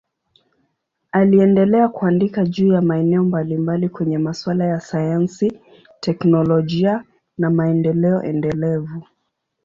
Aliendelea kuandika juu ya maeneo mbalimbali kwenye masuala ya sayansi, teknolojia na maendeleo endelevu.